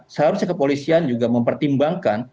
seharusnya kepolisian juga mempertimbangkan